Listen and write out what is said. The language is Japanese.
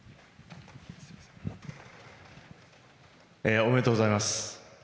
おめでとうございます。